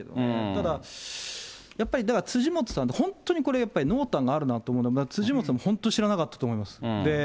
ただ、やっぱり辻元さん、本当にこれ、やっぱり、濃淡があると思う、辻元さんも本当知らなかったと思います。